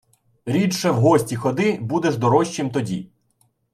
Рідше у гості ходи – будеш дорожчим тоді.